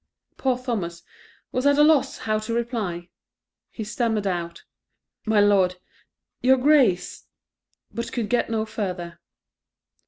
Poor Thomas was at a loss how to reply; he stammered out, "My Lord your Grace," but could get no further.